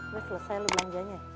lo selesai lu belanja nya